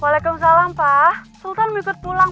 waalaikumsalam pak sultan mau ikut pulang